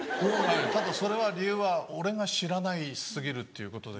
ただそれは理由は俺が知らな過ぎるっていうことで。